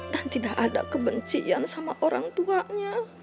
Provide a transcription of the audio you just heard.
dan tidak ada kebencian sama orang tuanya